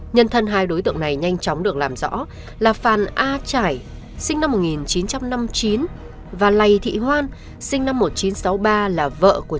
nhân thân hai đối tượng này nhanh chóng được làm rõ là phàn a trải sinh năm một nghìn chín trăm năm mươi chín và lầy thị hoan sinh năm một nghìn chín trăm sáu mươi ba là vợ của